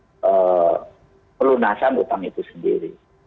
tidak memberikan kontribusi terhadap pelunasan utang itu sendiri